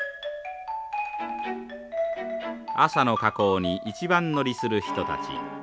朝の火口に一番乗りする人たち